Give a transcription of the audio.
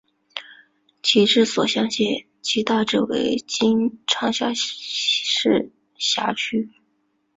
其治所湘县即大致为今长沙市辖区。